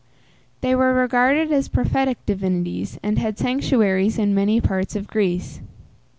They were regarded as prophetic divinities, and had sanctuaries in many parts of Greece.